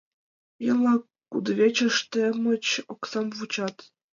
Еҥ-влак кудывечыш темыч, оксам вучат.